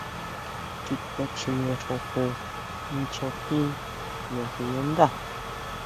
Chuta chine xojon ncha jín naxinandá.